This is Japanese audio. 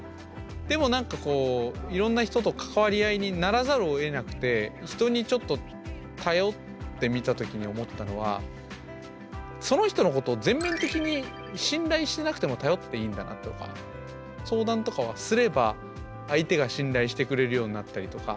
でもなんかこういろんな人と関わり合いにならざるをえなくて人にちょっと頼ってみた時に思ったのはその人のことを全面的に相談とかはすれば相手が信頼してくれるようになったりとか。